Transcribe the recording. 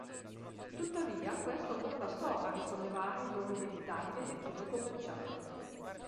Tuttavia questo non bastò a risollevare il loro inevitabile declino commerciale.